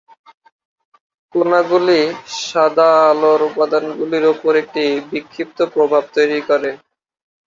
কণাগুলি সাদা আলোর উপাদানগুলির উপর একটি বিক্ষিপ্ত প্রভাব তৈরি করে।